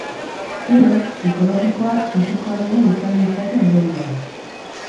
Gero, psikologikoak fisikoan ere izan ditzake ondorioak.